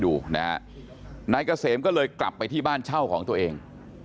มีใครก็ดูนะไนกระเสมก็เลยกลับไปที่บ้านเช่าของตัวเอง